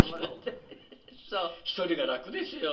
１人が楽ですよ。